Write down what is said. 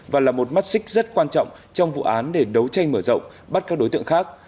và là một mắt xích rất quan trọng trong vụ án để đấu tranh mở rộng bắt các đối tượng khác